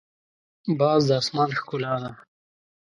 باز د اسمان ښکلا ده